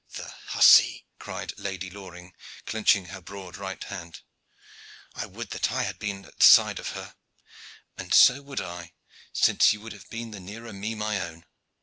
"The hussy!" cried Lady Loring clenching her broad right hand. "I would I had been at the side of her!" "And so would I, since you would have been the nearer me my own.